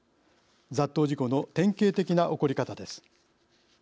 雑踏事故の典型的な起こり方です。